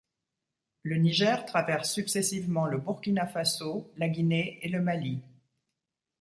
Le Niger traverse successivement le Burkina Faso, la Guinée et le Mali.